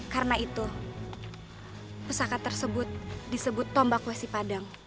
karena itu pesakat tersebut disebut tombak kue si padang